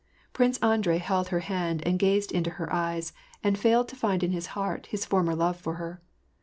Prince Andrei held her hand, and gazed into her eyes, and failed to find in his heart his former love for her.